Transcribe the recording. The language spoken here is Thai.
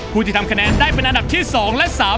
ที่ทำคะแนนได้เป็นอันดับที่๒และ๓